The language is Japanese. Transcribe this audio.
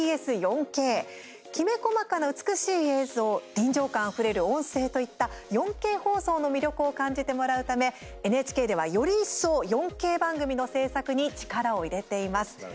きめ細かな美しい映像臨場感あふれる音声といった４Ｋ放送の魅力を感じてもらうためＮＨＫでは、より一層４Ｋ番組の制作に力を入れています。